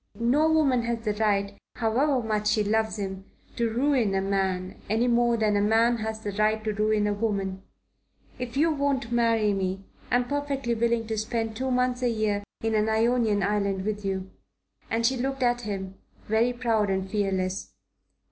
No woman has the right, however much she loves him, to ruin a man, any more than a man has the right to ruin a woman. But if you won't marry me, I'm perfectly willing to spend two months a year in an Ionian island with you," and she looked at him, very proud and fearless.